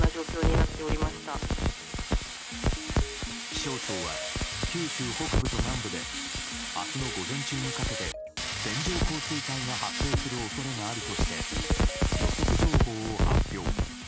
気象庁は九州北部と南部で明日の午前中にかけて線状降水帯が発生する恐れがあるとして予測情報を発表。